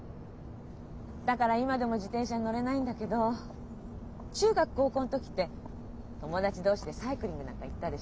だから今でも自転車乗れないんだけど中学高校の時って友達同士でサイクリングなんか行ったでしょう？